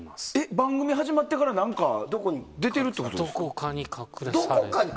番組が始まってからどこかに出てるってことですか？